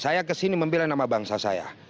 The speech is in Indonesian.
saya kesini membela nama bangsa saya